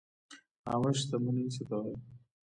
عامه شتمني څه ته وایي؟